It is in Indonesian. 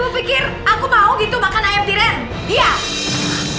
ibu pikir aku mau gitu makan ayam tiren